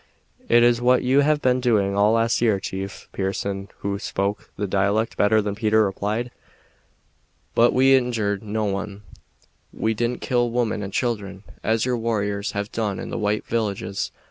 "It is what you have been doing all last year, chief," Pearson, who spoke the dialect better than Peter, replied. "But we injured no one. We didn't kill women and children, as your warriors have done in the white villages.